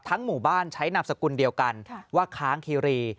หมู่บ้านใช้นามสกุลเดียวกันว่าค้างคีรี